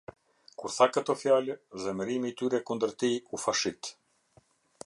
Kur tha këto fjalë, zemërimi i tyre kundër tij u fashit.